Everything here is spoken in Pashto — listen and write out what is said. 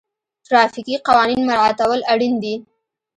ټرافیکي قوانین مراعتول اړین دي.